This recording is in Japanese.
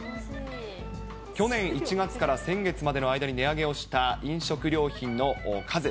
去年１月から先月までの間に値上げをした飲食料品のおかず。